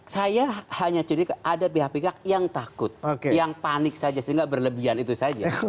saya hanya curiga ada pihak pihak yang takut yang panik saja sehingga berlebihan itu saja